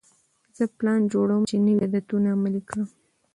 زه پلان جوړوم چې نوي عادتونه عملي کړم.